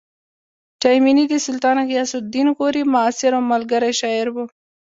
تایمني د سلطان غیاث الدین غوري معاصر او ملګری شاعر و